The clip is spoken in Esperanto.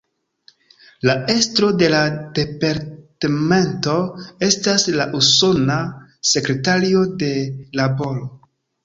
La estro de la Departmento estas la Usona Sekretario de Laboro.